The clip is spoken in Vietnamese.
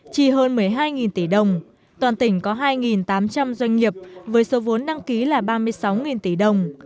chi hơn một mươi hai tỷ đồng toàn tỉnh có hai tám trăm linh doanh nghiệp với số vốn đăng ký là ba mươi sáu tỷ đồng